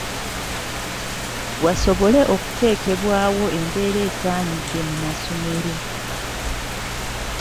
Wasobole okuteekebwawo embeera esaanidde mu masomero.